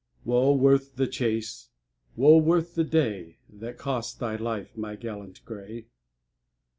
"Wo worth the chase. Wo worth the day, That cost thy life, my gallant grey!"